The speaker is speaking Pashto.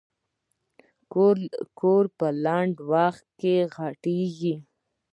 کور په لنډ وخت کې غټېږي.